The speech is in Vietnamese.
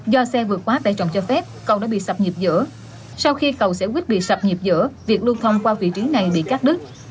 do xe vượt quá tải trọng cho phép cầu đã bị sập nhịp giữa sau khi cầu xẻo quýt bị sập nhịp giữa việc lưu thông qua vị trí này bị cắt đứt